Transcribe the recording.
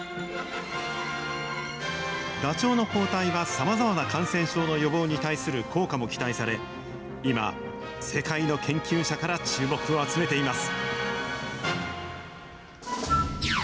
ダチョウの抗体はさまざまな感染症の予防に対する効果も期待され、今、世界の研究者から注目を集めています。